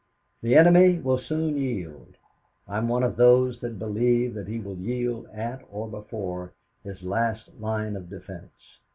"'The enemy will soon yield. I am one of those that believe that he will yield at or before his last line of defense.